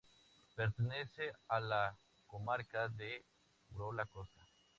Pertenece a la comarca de Urola Costa.